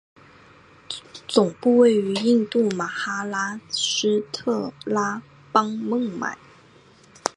总部位于印度马哈拉施特拉邦孟买。